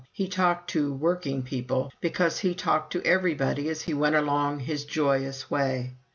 He talked to "working people" because he talked to everybody as he went along his joyous way.